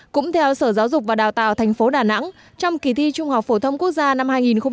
cũng theo sở giáo dục và đào tạo tp đà nẵng trong kỳ thi trung học phổ thông quốc gia năm hai nghìn một mươi tám